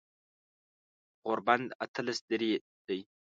غوربند اتلس درې دی